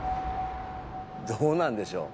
どうなんでしょう？